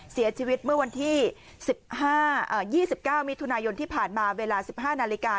เสียชีวิตเมื่อวันที่๒๙มิถุนายนที่ผ่านมาเวลา๑๕นาฬิกา